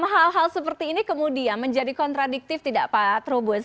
hal hal seperti ini kemudian menjadi kontradiktif tidak pak trubus